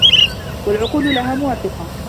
وَالْعُقُولُ لَهَا مُوَافِقَةٌ